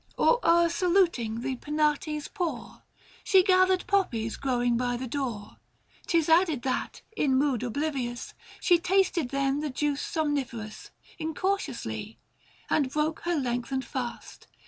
Or e'er saluting the Penates poor, She gathered poppies growing by the door ; 600 'Tis added that, in mood oblivious, She tasted then the juice somniferous Incautiously, and broke her lengthened fast.